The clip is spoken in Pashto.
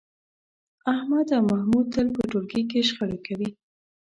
احمد او محمود تل په ټولګي کې شخړې کوي.